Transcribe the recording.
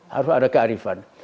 harus ada kearifan